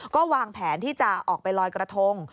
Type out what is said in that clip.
ก็วางแผนที่จะออกไปลอยกระทง